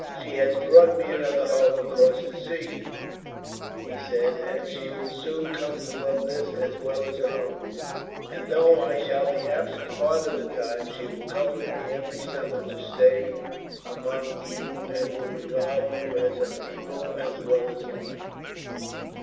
"She has brought me another home, across the sea," he said, "but she will soon come to love this, as well as her own; and though I shall be absent part of the time, she will come with me every summer to stay among you, and will regard you as her people, as well as mine."